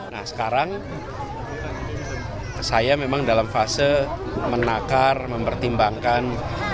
nah sekarang saya memang dalam fase menakar mempertimbangkan